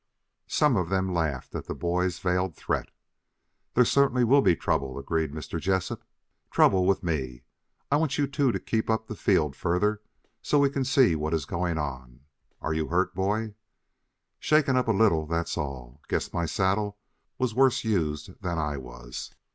Some of them laughed at the boy's veiled threat. "There certainly will be trouble," agreed Mr. Jessup "trouble with me. I want you two to keep up the field further so we can see what is going on. Are you hurt, boy?" "Shaken up a little that's all. Guess my saddle was worse used than I was."